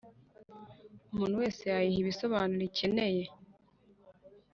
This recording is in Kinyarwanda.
umuntu wese wayiha ibisobanuro ikeneye